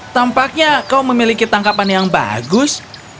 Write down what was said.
tampaknya kau memiliki tangkapan yang bagus